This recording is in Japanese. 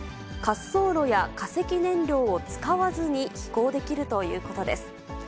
滑走路や化石燃料を使わずに飛行できるということです。